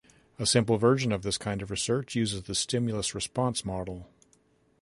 A simple version of this kind of research uses the stimulus-response model.